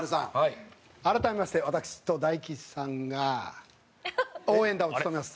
改めまして私と大吉さんが応援団を務めます